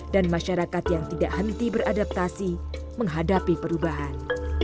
dan masyarakat yang tidak henti beradaptasi menghadapi perubahan